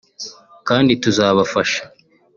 kandi tuzabafasha”